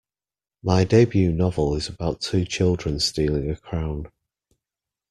My debut novel is about two children stealing a crown.